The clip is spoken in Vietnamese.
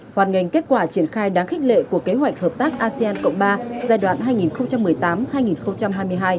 hoàn ngành kết quả triển khai đáng khích lệ của kế hoạch hợp tác asean cộng ba giai đoạn hai nghìn một mươi tám hai nghìn hai mươi hai